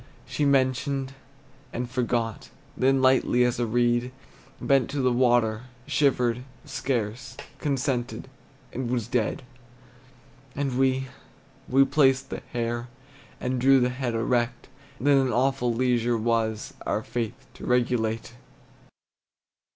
She mentioned, and forgot; Then lightly as a reed Bent to the water, shivered scarce, Consented, and was dead. And we, we placed the hair, And drew the head erect; And then an awful leisure was, Our faith to regulate.